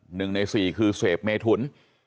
หนึ่งในสี่คือเสพเมถุน